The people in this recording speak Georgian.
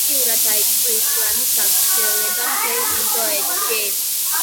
აქტიურად დაიწყო ისლამის გავრცელება მთელ ინდოეთში.